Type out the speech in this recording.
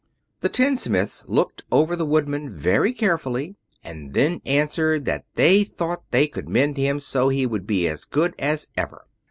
The tinsmiths looked the Woodman over carefully and then answered that they thought they could mend him so he would be as good as ever.